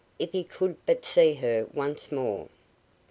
If he could but see her once more!